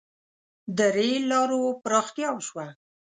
• د رېل لارو پراختیا وشوه.